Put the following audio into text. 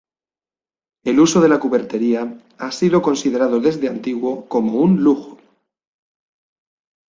El uso de la cubertería ha sido considerado desde antiguo como un lujo.